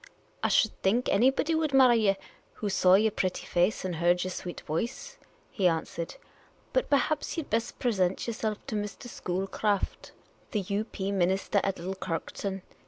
" I should think anybody would marry ye who saw yer pretty face and heard yer sweet voice," he answered. " But perhaps ye 'd better present yerself to Mr. Schoolcraft, The Oriental Attendant the U. P. minister at Little Kirkton.